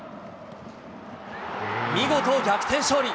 見事逆転勝利。